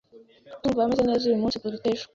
Ndumva meze neza uyu munsi kuruta ejo.